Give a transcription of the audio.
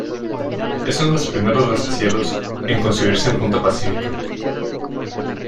Es uno de los primeros rascacielos en construirse en Punta Pacífica.